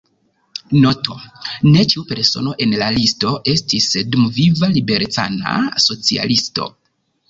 Noto: ne ĉiu persono en la listo estis dumviva liberecana socialisto.